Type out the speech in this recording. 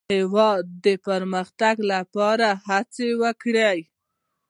د هېواد د پرمختګ لپاره هڅې وکړئ.